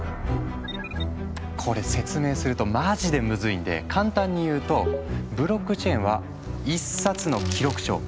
これ説明するとマジでムズいんで簡単に言うとブロックチェーンは１冊の記録帳。